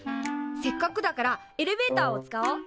せっかくだからエレベーターを使おう。